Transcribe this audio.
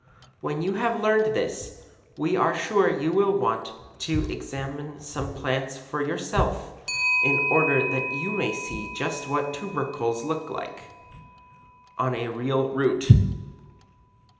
When you have learned this, we are sure you will want to examine some plants for yourself in order that you may see just what tubercles look like on a real root.